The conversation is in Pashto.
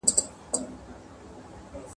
افغان ځواک به له هلمند راپوري وځي.